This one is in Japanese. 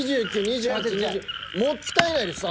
もったいないです。